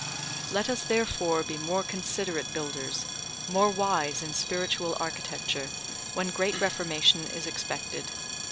Let us therefore be more considerate builders, more wise in spiritual architecture, when great reformation is expected.